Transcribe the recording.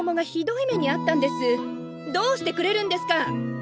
どうしてくれるんですか！